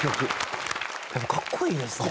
やっぱかっこいいですね。